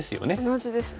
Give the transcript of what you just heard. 同じですね。